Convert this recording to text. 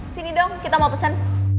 sini dong kita mau pesan